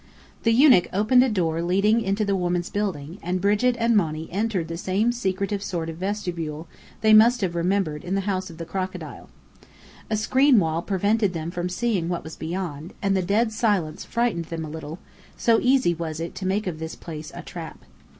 The eunuch opened a door leading into the women's building, and Brigit and Monny entered the same secretive sort of vestibule they must have remembered in the House of the Crocodile. A screen wall prevented them from seeing what was beyond; and the dead silence frightened them a little, so easy was it to make of this place a trap.